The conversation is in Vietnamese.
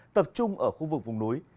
tập trung ở khu vực vùng núi